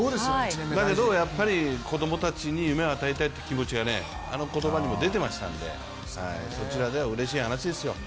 だけどやっぱり、子供たちに夢を与えたいって気持ちがあの言葉にも出てましたんでうれしい話ですよ。